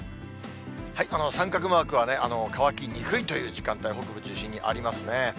三角マークは乾きにくいという時間帯、北部中心にありますね。